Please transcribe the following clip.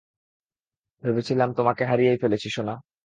ভেবেছিলাম, তোমাকে হারিয়েই ফেলেছি, সোনা!